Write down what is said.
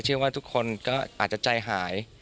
เชื่อว่าทุกคนก็อาจจะใจหาย